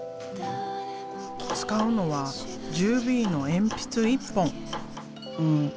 使うのは１０Ｂの鉛筆１本。